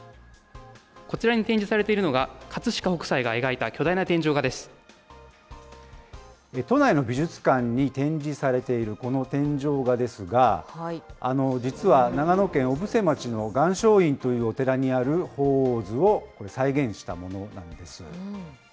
こちらに展示されているのが、葛飾北斎が描いた巨大な天井画で都内の美術館に展示されているこの天井画ですが、実は長野県小布施町の岩松院というお寺にある鳳凰図を再現したものなんです。